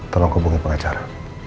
tolong hubungi pengacara